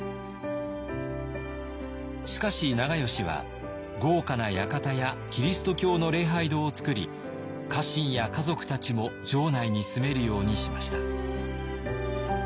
しかし長慶は豪華な館やキリスト教の礼拝堂を造り家臣や家族たちも城内に住めるようにしました。